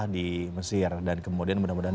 di mesir dan kemudian mudah mudahan